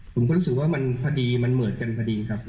ผมก็รู้สึกว่ามันพอดีมันเหมือนกันพอดีครับ